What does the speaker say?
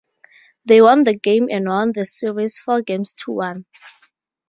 They won the game and won the series four games to one.